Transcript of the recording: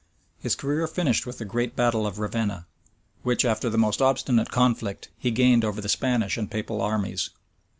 [] His career finished with the great battle of Ravenna, which, after the most obstinate conflict, he gained over the Spanish and papal armies.